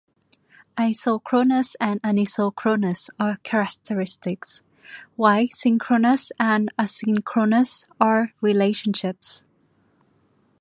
Isochronous and anisochronous are characteristics, while synchronous and asynchronous are relationships.